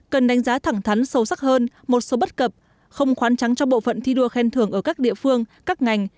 cần đánh giá thẳng thắn sâu sắc hơn một số bất cập không khoán trắng cho bộ phận thi đua khen thưởng ở các địa phương các ngành